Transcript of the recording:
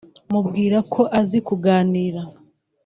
mubwira ko azi kuganira